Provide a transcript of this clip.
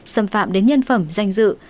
xâm phạm đến nhân phẩm danh dự